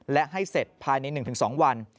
และให้เสร็จภายใน๑๒วัน